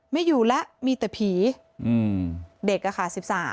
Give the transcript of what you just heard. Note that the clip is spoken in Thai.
ไม่อยู่แล้วมีแต่ผีเด็กอะค่ะ๑๓